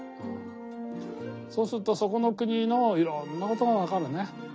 そうするとそこの国のいろんなことが分かるね。